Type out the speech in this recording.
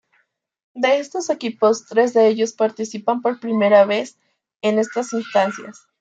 De estos equipos, tres de ellos participan por primera vez en estas instancias.